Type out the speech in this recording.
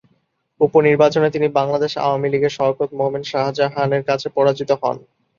উপ-নির্বাচনে তিনি বাংলাদেশ আওয়ামী লীগের শওকত মোমেন শাহজাহানের কাছে পরাজিত হন।